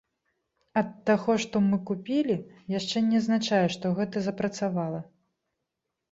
Ад таго, што мы купілі, яшчэ не азначае, што гэта запрацавала.